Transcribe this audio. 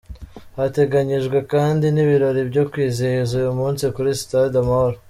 Hateganyijwe kandi n’ibirori byo kwizihiza uyu munsi kuri Sitade Amahoro.